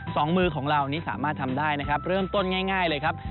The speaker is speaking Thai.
สองมือของเรานี่สามารถทำได้นะครับเริ่มต้นง่ายเลยครับ